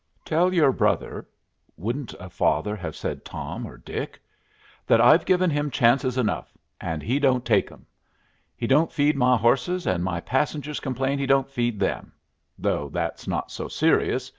"Tell your brother" (wouldn't a father have said Tom or Dick?) "that I've given him chances enough and he don't take 'em. He don't feed my horses, and my passengers complain he don't feed them though that's not so serious!"